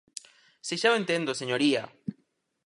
¡Se xa o entendo, señoría!